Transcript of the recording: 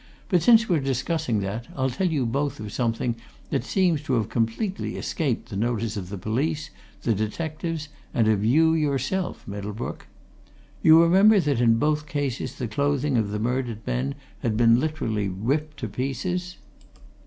But since we're discussing that, I'll tell you both of something that seems to have completely escaped the notice of the police, the detectives, and of you yourself, Middlebrook. You remember that in both cases the clothing of the murdered men had been literally ripped to pieces?"